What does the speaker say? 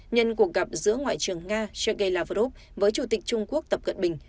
nhân cuộc gặp giữa ngoại trưởng nga sergei lavrov với chủ tịch trung quốc tập cận bình